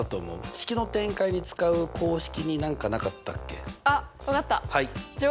式の展開に使う公式に何かなかったっけ？あっ分かった。